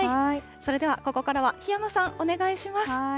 それでは、ここからは檜山さん、お願いします。